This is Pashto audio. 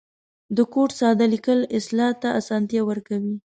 د کوډ ساده لیکل اصلاح ته آسانتیا ورکوي.